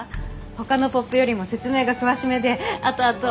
ほかのポップよりも説明が詳しめであとあと。